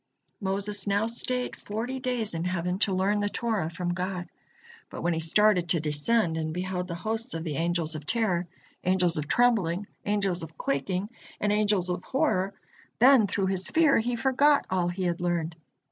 Moses now stayed forty days in heaven to learn the Torah from God. But when he started to descend and beheld the hosts of the angels of terror, angels of trembling, angels of quaking, and angels of horror, then through his fear he forgot all he had learned.